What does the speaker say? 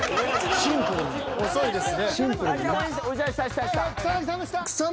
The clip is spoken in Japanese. シンプルに遅いんですよ。